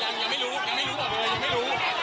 น้ำยังไม่รู้